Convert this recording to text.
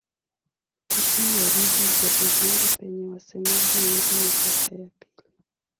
Kati ya lugha za Uhindi zenye wasemaji wengi ni lugha ya pili.